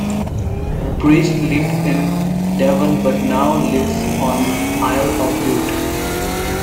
Priest lived in Devon but now lives on Isle of Bute.